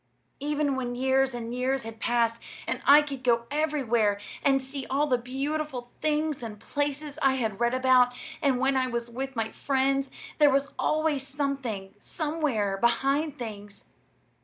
Even when years and years had passed, and I could go everywhere and see all the beautiful things and places I had read about, and when I was with my friends, there was always something, somewhere, behind things.